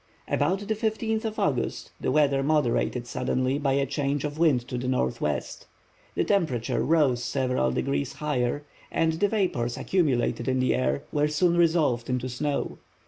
About the 15th of August the weather moderated suddenly by a change of wind to the northwest. The temperature rose several degrees higher, and the vapors accumulated in the air were soon resolved into snow.